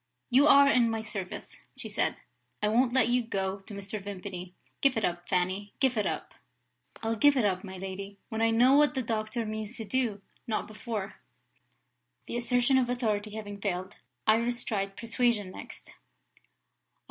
"You are in my service," she said; "I won't let you go to Mr. Vimpany. Give it up, Fanny! Give it up!" "I'll give it up, my lady, when I know what the doctor means to do not before." The assertion of authority having failed, Iris tried persuasion next.